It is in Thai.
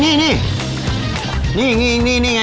นี่นี่ไง